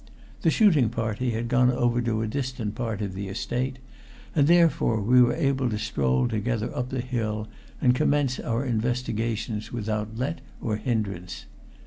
The shooting party had gone over to a distant part of the estate, therefore we were able to stroll together up the hill and commence our investigations without let or hindrance.